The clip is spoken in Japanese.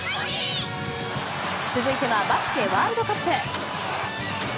続いてはバスケワールドカップ。